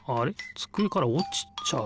つくえからおちちゃう。